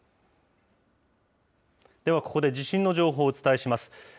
ではここで地震の情報をお伝えします。